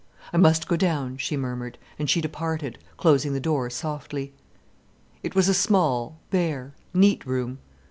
"I must go down," she murmured, and she departed, closing the door softly. It was a small, bare, neat room.